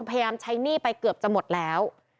พยายามใช้หนี้ไปเกือบจะหมดแล้ว